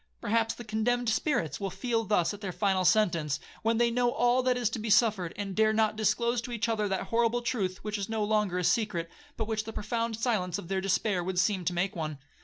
Perhaps the condemned spirits will feel thus at their final sentence, when they know all that is to be suffered, and dare not disclose to each other that horrible truth which is no longer a secret, but which the profound silence of their despair would seem to make one.